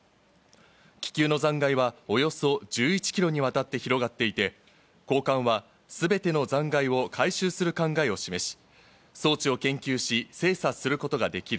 気球の残骸はおよそ１１キロにわたって広がっていて、高官は全ての残骸を回収する考えを示し、装置を研究し精査することができる。